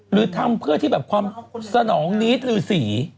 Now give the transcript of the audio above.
หรือทำเพื่อที่แบบความสนองนิดฤษี